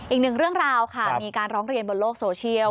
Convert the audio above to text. อีกหนึ่งเรื่องราวค่ะมีการร้องเรียนบนโลกโซเชียล